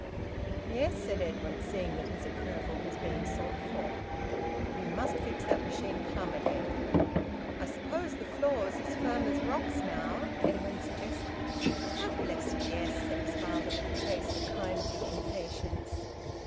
"Yes," said Edwin, seeing that his approval was being sought for. "We must fix that machine plumb again." "I suppose the floor's as firm as rocks now?" Edwin suggested. "Eh! Bless ye! Yes!" said his father, with a trace of kindly impatience.